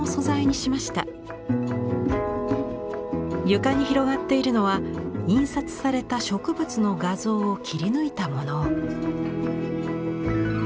床に広がっているのは印刷された植物の画像を切り抜いたもの。